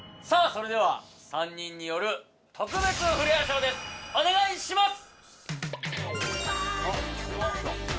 それでは３人による特別フレアショーですお願いします！